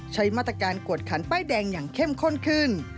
ใช้มาตรการกวดขันป้ายแดงอย่างเข้มข้นขึ้น